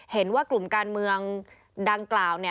เห็นว่ากลุ่มการเมืองดังกล่าว